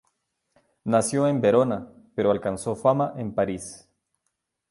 Nació en Verona, pero alcanzó fama en París.